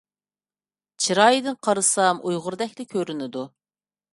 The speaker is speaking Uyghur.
چىرايىدىن قارىسام ئۇيغۇردەكلا كۆرۈنىدۇ.